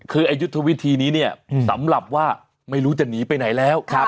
คือยุทธวิธีนี้เนี่ยสำหรับว่าไม่รู้จะหนีไปไหนแล้ว